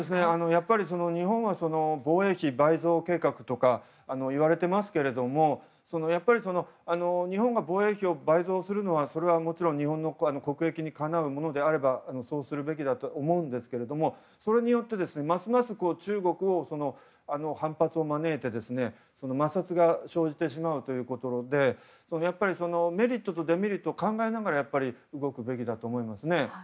やっぱり、日本は防衛費倍増計画とかいわれていますけども日本が防衛費を倍増するのは日本の国益にかなうものであればそうするべきだと思うんですけどそれによって、ますます中国の反発を招いて摩擦が生じてしまうということでやっぱり、メリットとデメリットを考えながら動くべきだと思いますね。